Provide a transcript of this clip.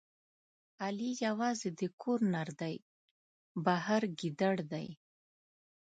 علي یوازې د کور نردی، بهر ګیدړ دی.